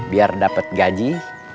biar dapat gaji